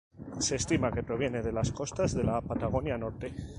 Se estima que proviene de las costas de la Patagonia Norte.